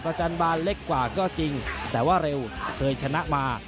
จันบานเล็กกว่าก็จริงแต่ว่าเร็วเคยชนะมา